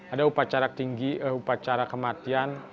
ada upacara tinggi upacara kematian